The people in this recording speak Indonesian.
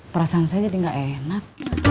perasaan saya jadi gak enak